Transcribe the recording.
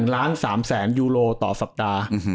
๑๓ล้านยูโรต่อสัปดาห์